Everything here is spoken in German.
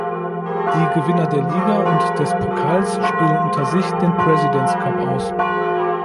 Die Gewinner der Liga und des Pokals spielen unter sich den "President's Cup" aus.